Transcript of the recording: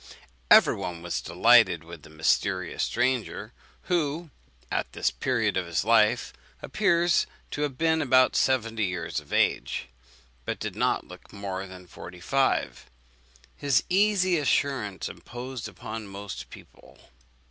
Every one was delighted with the mysterious stranger; who, at this period of his life, appears to have been about seventy years of age, but did not look more than forty five. His easy assurance imposed upon most people.